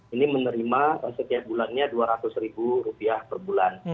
ini menerima setiap bulannya rp dua ratus per bulan